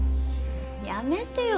やめてよ